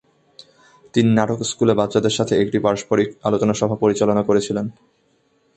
তিনি নাটক স্কুলে বাচ্চাদের সাথে একটি পারস্পরিক আলোচনা সভা পরিচালনা করেছিলেন।